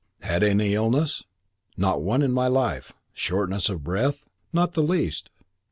"Had any illnesses?" "Not one in my life." "Shortness of breath?" "Not the least.